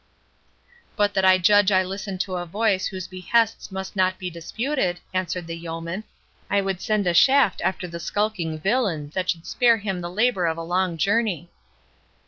"But that I judge I listen to a voice whose behests must not be disputed," answered the yeoman, "I would send a shaft after the skulking villain that should spare him the labour of a long journey."